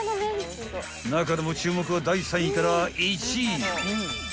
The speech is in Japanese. ［中でも注目は第３位から１位］